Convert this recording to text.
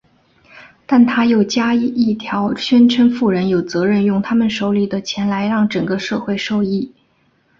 但他又加一条宣称富人有责任用他们手里的钱来让整个社会受益。